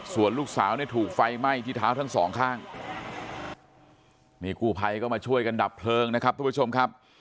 ส่วนลูกสาวเนี่ยถูกไฟไหม้ที่เท้าทั้งสองข้างนี่กู้ภัยก็มาช่วยกันดับเพลิงนะครับทุกผู้ชมครับ